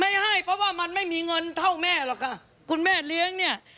ไม่ให้เพราะว่ามันไม่มีเงินเท่าแม่หรอกค่ะคุณแม่เลี้ยงเนี่ย